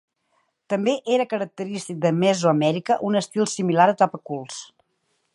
També era característic de Mesoamèrica un estil similar de tapaculs.